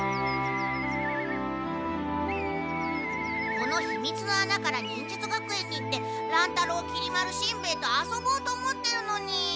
このひみつの穴から忍術学園に行って乱太郎きり丸しんべヱと遊ぼうと思ってるのに。